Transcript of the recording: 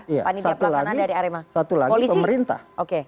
iya satu lagi pemerintah